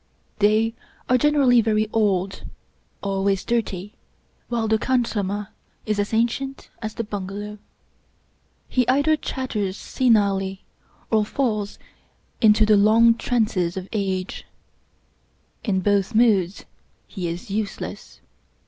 They are generally very old, always dirty, while the khansamah is as ancient as the bungalow. He either chat ters senilely, or falls into the long trances of age. In both moods he is useless.